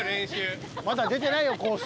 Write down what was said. まだ出てないよコース。